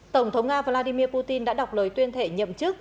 tổng thống nga vladimir putin đã đọc lời tuyên thệ nhậm chức